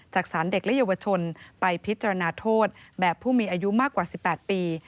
จากสารเด็กและเยาวชนไปพิจารณาโทษแบบผู้มีอายุมากกว่า๑๘ปี